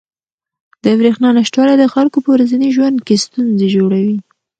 د بریښنا نشتوالی د خلکو په ورځني ژوند کې ستونزې جوړوي.